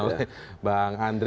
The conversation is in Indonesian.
saya akan sampaikan